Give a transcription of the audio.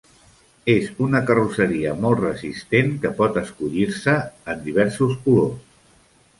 És una carrosseria molt resistent que pot escollir-se en diversos colors.